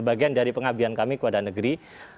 bagian dari pengabdian kami kepada negeri